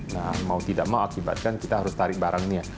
nah mau tidak mau akibatkan kita harus tarik barangnya